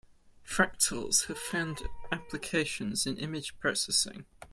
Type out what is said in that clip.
Fractals have found applications in image processing.